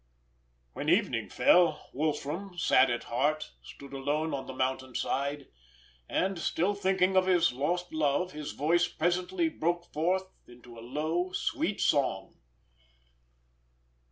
When evening fell, Wolfram, sad at heart, stood alone on the mountain side; and still thinking of his lost love, his voice presently broke forth into a low, sweet song.